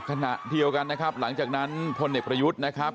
ขณะเดียวกันนะครับหลังจากนั้นพลเอกประยุทธ์นะครับ